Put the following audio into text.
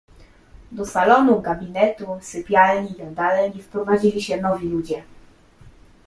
Do salonu, gabinetu, sypialni, jadalni wprowadzili się nowi ludzie.